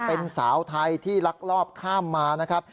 เป็นสาวไทยที่ลักลอบข้ามมานะครับ